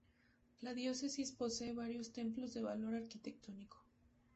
La diócesis posee varios templos de valor arquitectónico.